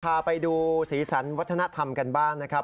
พาไปดูสีสันวัฒนธรรมกันบ้างนะครับ